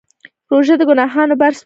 روژه د ګناهونو بار سپکوي.